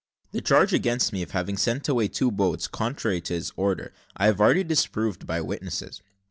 "The charge against me, of having sent away two boats, contrary to his order, I have already disproved by witnesses.